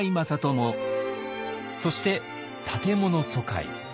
そして建物疎開。